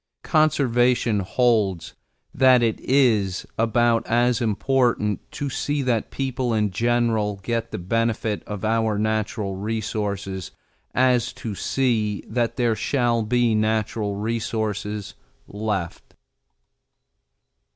Conservation holds that it is about as important to see that the people in general get the benefit of our natural resources as to see that there shall be natural resources left.